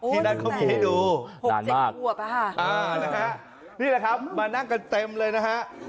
ที่นั่นเขามีให้ดู๖๐ควบนี่แหละครับมานั่งกันเต็มเลยนะฮะ